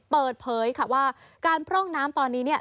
เปิดเผยค่ะว่าการพร่องน้ำตอนนี้เนี่ย